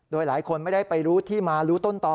โดยหลายคนไม่ได้ไปรู้ที่มารู้ต้นต่อ